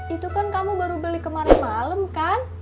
itu kan kamu baru beli kemarin malam kan